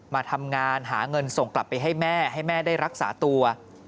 มาทำงานหาเงินส่งกลับไปให้แม่ให้แม่ได้รักษาตัว